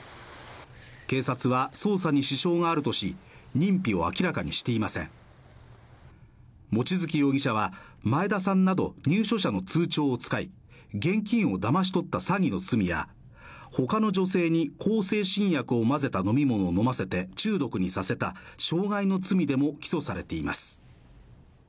警察は捜査に支障があるとし認否を明らかにしていません望月容疑者は前田さんなど入所者の通帳を使い現金をだまし取った詐欺の罪やほかの女性に向精神薬を混ぜた飲み物を飲ませて中毒にさせた傷害の罪でも起訴されています